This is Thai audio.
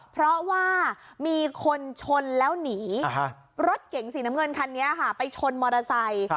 เพราะว่ามีคนชนแล้วหนีรถเก๋งสีน้ำเงินคันนี้ค่ะไปชนมอเตอร์ไซค์